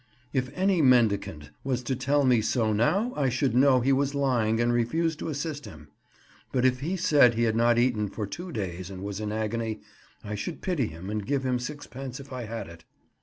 If any mendicant was to tell me so now, I should know he was lying and refuse to assist him; but if he said he had not eaten for two days and was in agony, I should pity him and give him sixpence if I had it.